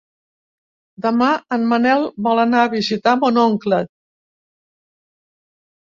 Demà en Manel vol anar a visitar mon oncle.